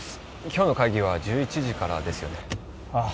今日の会議は１１時からですよねああ